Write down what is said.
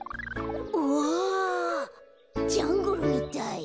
おぉジャングルみたい。